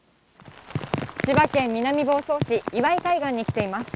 千葉県南房総市いわい海岸に来ています。